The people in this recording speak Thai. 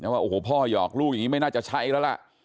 ว่าโอ้โหพ่อหยอกลูกอย่างนี้ไม่น่าจะใช้แล้วล่ะ